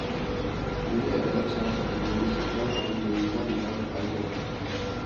Ini adalah salah satu jenis ikan paling melimpah di Laut Azov.